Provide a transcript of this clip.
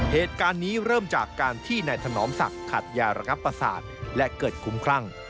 เหตุการณ์นี้เริ่มจากการที่นายถนอมศักดิ์ขัดยาระงับประสาทและเกิดคุ้มคลั่ง